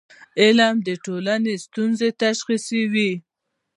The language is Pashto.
علم د ټولنې ستونزې تشخیصوي.